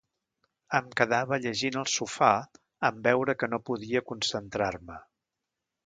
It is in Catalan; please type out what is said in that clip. Em quedava llegint al sofà, en veure que no podia concentrar-me.